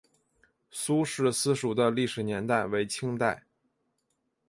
苏氏私塾的历史年代为清代。